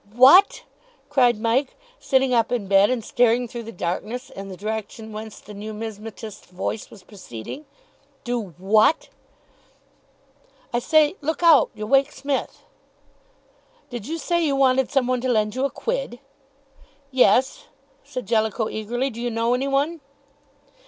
"What!" cried Mike, sitting up in bed and staring through the darkness in the direction whence the numismatist's voice was proceeding. "Do what?" "I say, look out. You'll wake Smith." "Did you say you wanted some one to lend you a quid?" "Yes," said Jellicoe eagerly. "Do you know any one?"